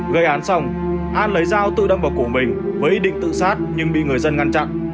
gây án xong an lấy dao tự đâm vào cổ mình với ý định tự sát nhưng bị người dân ngăn chặn